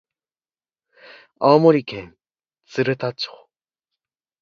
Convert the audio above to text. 青森県鶴田町